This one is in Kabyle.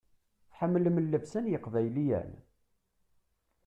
Tḥemmlem llebsa n yeqbayliyen?